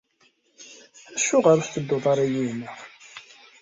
Acuɣer ur tettedduḍ ara yid-neɣ?